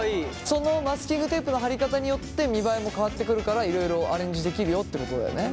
そのマスキングテープの貼り方によって見栄えも変わってくるからいろいろアレンジできるよってことだよね。